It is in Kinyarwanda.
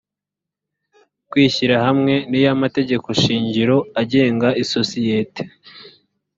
kwishyira hamwe n iy amategekoshingiro agenga isosiyete